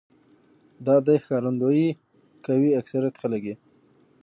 دا دې ښکارنديي کوي اکثريت خلک يې